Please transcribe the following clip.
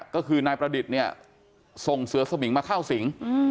ก็คือนายประดิษฐ์เนี่ยส่งเสือสมิงมาเข้าสิง